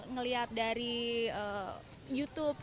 ngelihat dari youtube